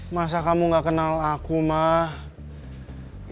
masa kamu gak kenal aku mah